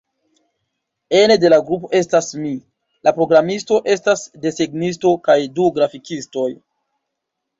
Ene de la grupo estas mi, la programisto, estas desegnisto kaj du grafikistoj.